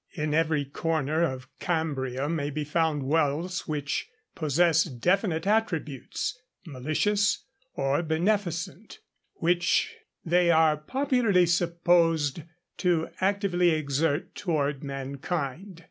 In every corner of Cambria may be found wells which possess definite attributes, malicious or beneficent, which they are popularly supposed to actively exert toward mankind.